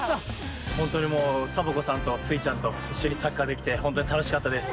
ほんとにもうサボ子さんとスイちゃんといっしょにサッカーできてほんとにたのしかったです。